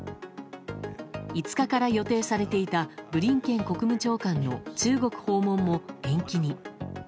５日から予定されていたブリンケン国務長官の中国訪問も延期に。